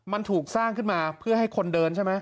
มันถูกสร้างขึ้นมาเพื่อให้คนเดินใช่ไหม